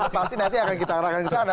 pasti nanti akan kita arahkan ke sana